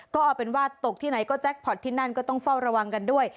ก็เอาเป็นว่าตกที่ไหนก็แจ็คพอร์ตที่นั่นก็ต้องเฝ้าระวังกันด้วย